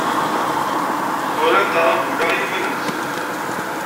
Urant aṛabul-a i yiman-nsent.